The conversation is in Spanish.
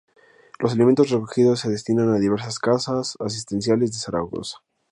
Los alimentos recogidos se destinan a diversas casas asistenciales de Zaragoza.